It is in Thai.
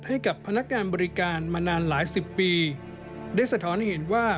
ให้กับพนักงานบริการมานานหลายสิบปีได้สะท้อนเห็นว่า